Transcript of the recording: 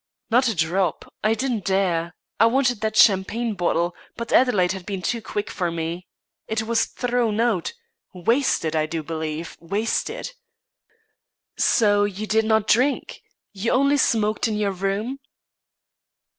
"Not a drop. I didn't dare. I wanted that champagne bottle, but Adelaide had been too quick for me. It was thrown out wasted I do believe, wasted." "So you did not drink? You only smoked in your room?"